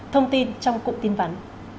thông tin trong cụm tin vắn